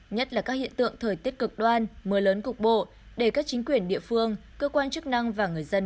nhất là các hiện tượng thời tiết cực đoan mưa lớn cục bộ để các chính quyền địa phương cơ quan chức năng và người dân